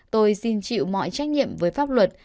tôi xin chịu mọi trách nhiệm với pháp luật